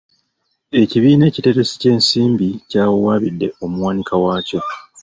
Ekibiina ekiteresi ky'ensimbi kyawawaabidde omuwanika waakyo.